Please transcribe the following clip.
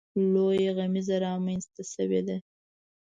لویه غمیزه رامنځته شوې ده.